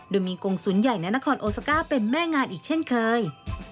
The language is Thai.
โดยมีกรงสุนใหญ่นานาคอร์นโอซาก้าเป็นแม่งานอีกเช่นเคย